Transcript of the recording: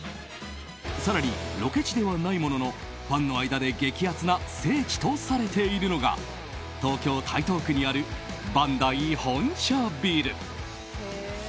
更にロケ地ではないもののファンの間で激アツな聖地とされているのが東京・台東区にあるバンダイ本社ビル。